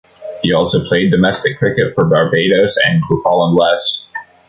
He also played domestic cricket for Barbados and Griqualand West.